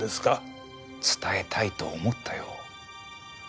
伝えたいと思ったよ。